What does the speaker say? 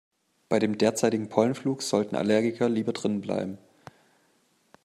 Beim derzeitigen Pollenflug sollten Allergiker lieber drinnen bleiben.